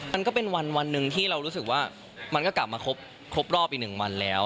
มันก็เป็นวันหนึ่งที่เรารู้สึกว่ามันก็กลับมาครบรอบอีก๑วันแล้ว